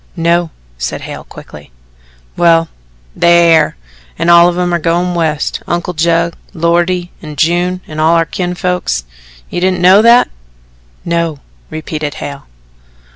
"No," said Hale quickly. "Well, they air, an' all of 'em are going West Uncle Judd, Loretty and June, and all our kinfolks. You didn't know that?" "No," repeated Hale.